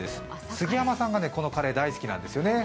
杉山さんがこのカレー好きですよね。